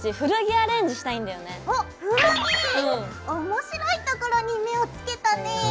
面白いところに目をつけたね！